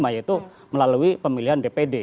yaitu melalui pemilihan dpd